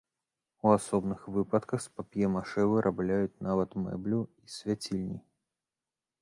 У асобных выпадках з пап'е-машэ вырабляюць нават мэблю і свяцільні.